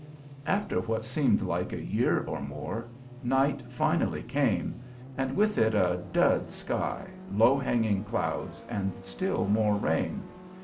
After what seemed like a year or more, night finally came, and with it a "dud" sky, low hanging clouds, and still more rain.